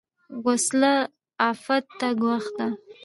وسله عفت ته ګواښ ده